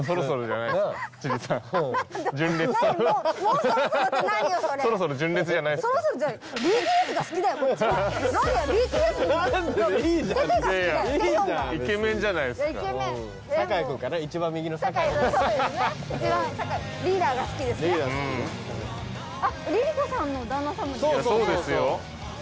そうですよ。